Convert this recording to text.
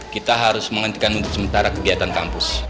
kita harus menghentikan untuk sementara kegiatan kampus